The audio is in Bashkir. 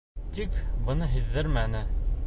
Тик быны һиҙҙермәне.